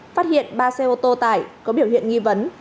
phát hiện ba xe ô tô tải có biểu hiện nghi vấn